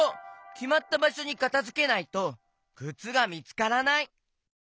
きまったばしょにかたづけないとくつがみつからない。